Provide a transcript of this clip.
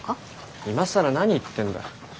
今更何言ってんだ。